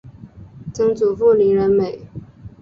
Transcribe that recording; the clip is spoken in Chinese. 曾祖父林仁美。